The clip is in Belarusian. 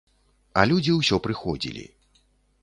А людзі ўсё прыходзілі.